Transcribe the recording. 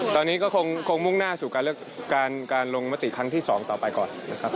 ตอนนี้ก็คงมุ่งหน้าสู่การเลือกการลงมติครั้งที่๒ต่อไปก่อนนะครับ